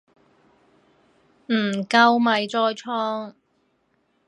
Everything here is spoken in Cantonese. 唔夠咪再創